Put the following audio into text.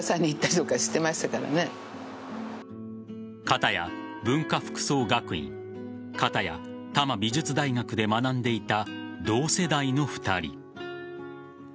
片や文化服装学院片や多摩美術大学で学んでいた同世代の２人。